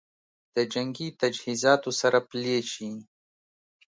د جنګي تجهیزاتو سره پلي شي